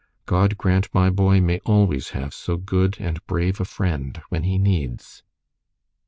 God grant my boy may always have so good and brave a friend when he needs."